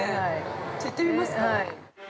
じゃあ、行ってみますか。